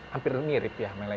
hampir mirip ya sama yang lain